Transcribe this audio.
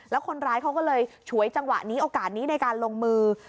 แล้วคนร้ายเขาก็เลยฉวยจังหวะนี้โอกาสนี้ในการลงมือ